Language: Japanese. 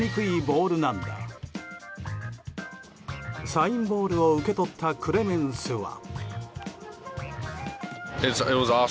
サインボールを受け取ったクレメンスは。